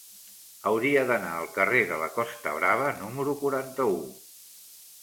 Hauria d'anar al carrer de la Costa Brava número quaranta-u.